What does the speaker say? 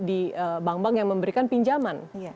nah ini bagaimana dengan bank bank yang memberikan pinjaman